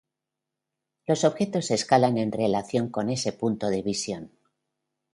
Los objetos se escalan en relación con ese punto de visión.